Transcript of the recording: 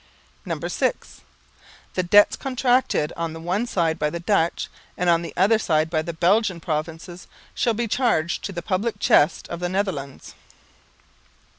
_ (6) _The debts contracted on the one side by the Dutch, and on the other side by the Belgian provinces, shall be charged to the public chest of the Netherlands.